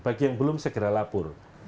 bagi yang belum segera lapor